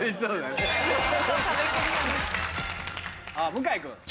向井君。